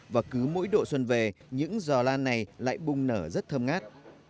và cứ mỗi độ xuân về những giò lan này lại bung nở rất thơm ngát